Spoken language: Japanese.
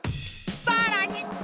［さらに］